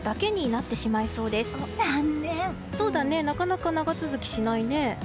なかなか長続きしないね。